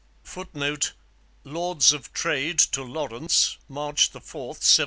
[Footnote: Lords of Trade to Lawrence, March 4, 1754.